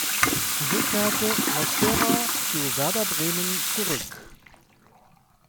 So kehrte Mosquera zu Werder Bremen zurück.